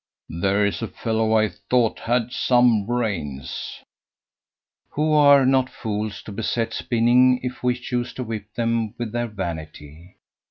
"There is a fellow I thought had some brains!" Who are not fools to beset spinning if we choose to whip them with their vanity!